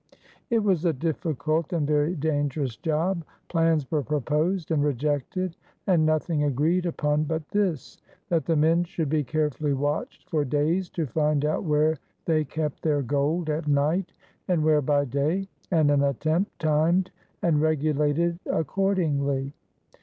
It was a difficult and very dangerous job. Plans were proposed and rejected, and nothing agreed upon but this, that the men should be carefully watched for days to find out where they kept their gold at night and where by day, and an attempt timed and regulated accordingly.